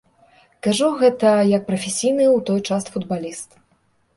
Кажу гэта як прафесійны ў той час футбаліст.